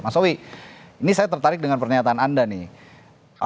mas owi ini saya tertarik dengan pernyataan anda nih